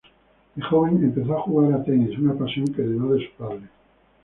De joven empezó a jugar a tenis, una pasión que heredó de su padre.